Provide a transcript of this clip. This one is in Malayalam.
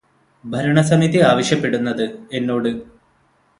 ഭരണ സമിതി ആവശ്യപ്പെടുന്നത് എന്നോട്